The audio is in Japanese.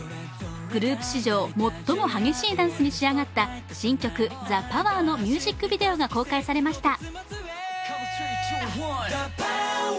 グループ史上最も激しいダンスに仕上がった新曲「ＴＨＥＰＯＷＥＲ」のミュージックビデオが公開されました。